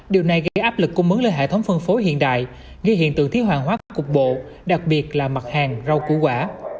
điều này gây áp lực cung mướn lên hệ thống phân phối hiện đại gây hiện tượng thiết hàng hóa cục bộ đặc biệt là mặt hàng rau củ quả